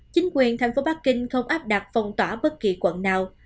chính quyền thành phố bắc kinh không áp đặt phong tỏa bất kỳ quận nào